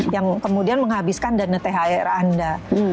yang kemudian menghabiskan dana thr anda